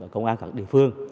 công an các địa phương